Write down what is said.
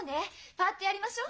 パッとやりましょう！